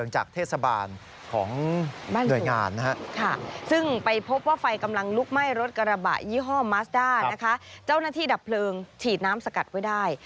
เจ้าหน้าที่ดับเพลิงฉีดน้ำสกัดไว้ได้